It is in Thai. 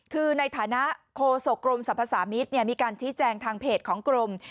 คือในฐานะโคศกรมสรรพสามิตรมีการชี้แจงทางเพจของกรม